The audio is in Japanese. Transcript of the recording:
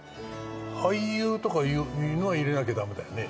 「俳優」とかいうのは入れなきゃダメだよね？